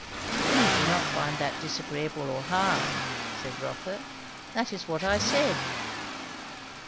"And you do not find that disagreeable or hard," said Rotha. "That is what I said."